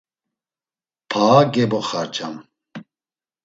Paa geboxarcam.